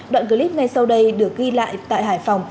đoạn clip ngay sau đây được ghi lại tại hải phòng